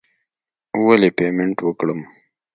ولې پیمنټ وکړم.